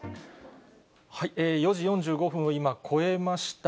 ４時４５分を今、越えました。